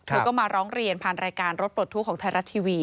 เธอก็มาร้องเรียนผ่านรายการรถปลดทุกข์ของไทยรัฐทีวี